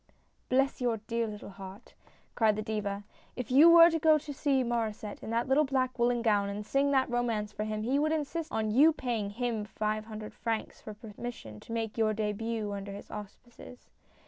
" Bless your dear little heart I " cried the Diva, " if you were to go to see Mauresset in that little black woolen gown, and sing that romance for him, he would insist on you paying him five hundred francs for per mission to make your dehut under his auspices.